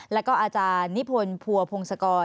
แล้วก็อาจารย์นิพนธ์ภัวพงศกร